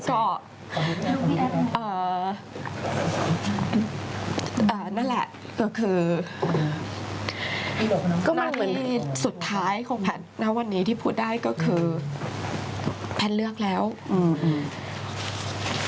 ก็เอ่อนั่นแหละก็คือก็มันเหมือนสุดท้ายของแพทย์ณวันนี้ที่พูดได้ก็คือแพทย์เลือกแล้วอืม